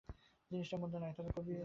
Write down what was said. জিনিসটা মন্দ নয় হে– তোমার কবি লেখে ভালো।